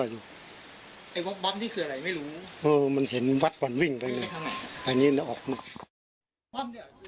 ไอ้วักนี่คืออะไรไม่รู้เออมันเห็นวัดก่อนวิ่งไปเลยอันนี้แล้วออกมา